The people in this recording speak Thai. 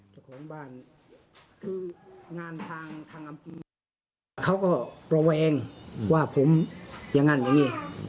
ส่วนของบ้านคืองานทางทางค์เขาก็ว่าผมอย่างงั้นอย่างเงี้ย